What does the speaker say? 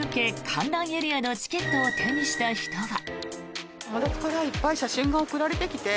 観覧エリアのチケットを手にした人は。